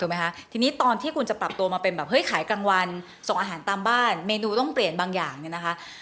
ไหมคะทีนี้ตอนที่คุณจะปรับตัวมาเป็นแบบเฮ้ยขายกลางวันส่งอาหารตามบ้านเมนูต้องเปลี่ยนบางอย่างเนี่ยนะคะ